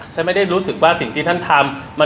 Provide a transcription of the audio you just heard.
ท่านไม่ได้รู้สึกว่าสิ่งที่ท่านทำมันเป็นศิลป์ศิษยาหาย